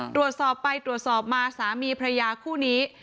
ตรวจสอบไปตรวจสอบมาสามีพระยาคู่นี้